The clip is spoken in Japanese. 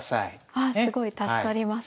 あすごい助かります。